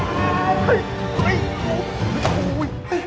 อย่าอยู่แล้ว